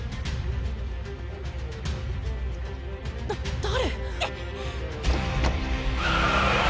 だ誰？